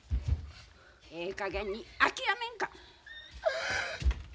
ええかげんに諦めんか。